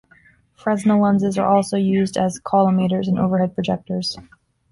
Fresnel lenses are also used as collimators in overhead projectors.